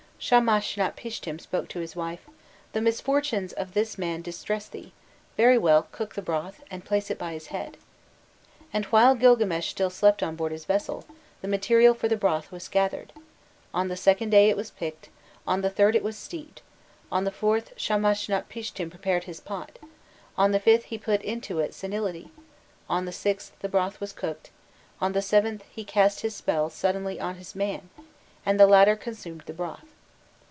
Shamashnapishtim spoke to his wife: 'The misfortunes of this man distress thee: very well, cook the broth, and place it by his head.' And while Gilgames still slept on board his vessel, the material for the broth was gathered; on the second day it was picked, on the third it was steeped, on the fourth Shamashnapishtim prepared his pot, on the fifth he put into it 'Senility,' on the sixth the broth was cooked, on the seventh he cast his spell suddenly on his man, and the latter consumed the broth.